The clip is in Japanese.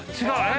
違う。